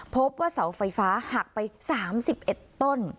พบว่าเสาไฟฟ้าหักไป๓๑ต้น